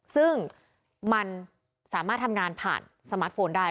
ซึ่งมันสามารถทำงานผ่านสมาร์ทโฟนได้